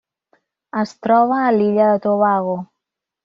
Es troba a l'illa de Tobago.